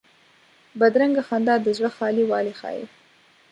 بدرنګه خندا د زړه خالي والی ښيي